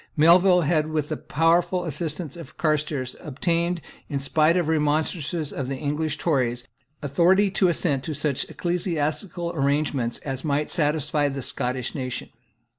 Melville had, with the powerful assistance of Carstairs, obtained, in spite of the remonstrances of English Tories, authority to assent to such ecclesiastical arrangements as might satisfy the Scottish nation.